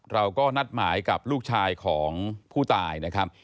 เราก็นัดหมายกับลูกชายของผู้ตายนะครับ